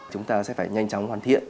chúng ta sẽ phải nhanh chóng hoàn thiện